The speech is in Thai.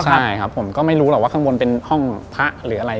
ใช่ครับผมก็ไม่รู้หรอกว่าข้างบนเป็นห้องพระหรืออะไร